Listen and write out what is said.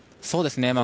そうですね。